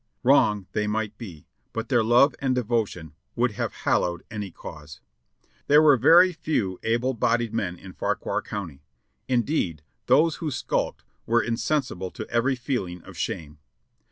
Wrong they might be, but their love and devotion would have hallowed any cause. There were very few able bodied men in Fauquier County ; indeed those who skulked were insensible to every feel ing of shame.